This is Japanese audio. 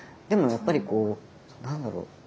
でもやっぱりこう何だろう